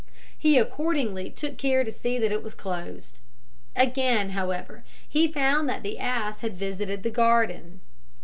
He accordingly took care to see that it was closed. Again, however, he found that the ass had visited the garden.